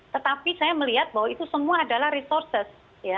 tetapi saya melihat bahwa itu semua adalah resources